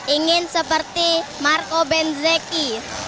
ingin seperti marco benzeki